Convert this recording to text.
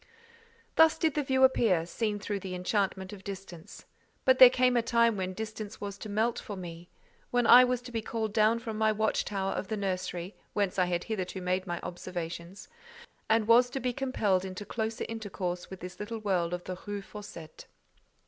Thus did the view appear, seen through the enchantment of distance; but there came a time when distance was to melt for me—when I was to be called down from my watch tower of the nursery, whence I had hitherto made my observations, and was to be compelled into closer intercourse with this little world of the Rue Fossette.